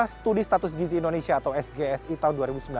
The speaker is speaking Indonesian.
studi status gizi indonesia atau sgsi tahun dua ribu sembilan belas